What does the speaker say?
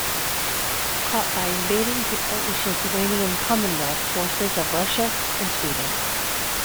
Caught by invading to Polish-Lithuanian Commonwealth forces of Russia and Sweden.